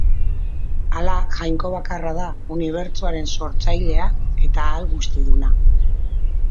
Ala jainko bakarra da, Unibertsoaren sortzailea eta ahalguztiduna.